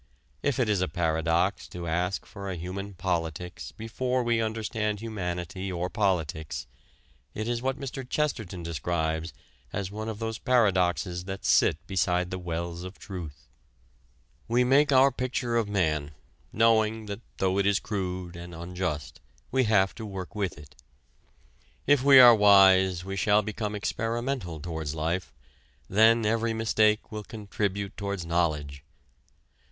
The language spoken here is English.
If it is a paradox to ask for a human politics before we understand humanity or politics, it is what Mr. Chesterton describes as one of those paradoxes that sit beside the wells of truth. We make our picture of man, knowing that, though it is crude and unjust, we have to work with it. If we are wise we shall become experimental towards life: then every mistake will contribute towards knowledge.